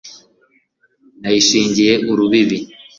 nayishingiye urubibi